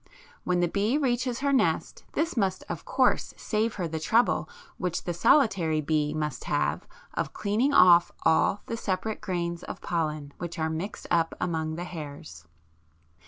When the bee reaches her nest this must of course save her the trouble which the solitary bee must have of cleaning off all the separate grains of pollen which are mixed up among the hairs.